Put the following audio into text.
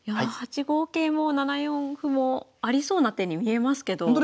８五桂も７四歩もありそうな手に見えますけど。